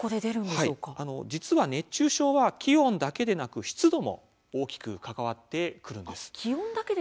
実は熱中症は気温だけでなく湿度も大きく関わってくるんです。